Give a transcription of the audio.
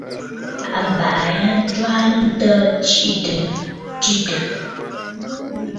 Àbàʼà ya a jwaanə ntəə tsiʼì tɨ̀ stsetə̀.